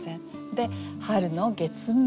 で「春の月面」。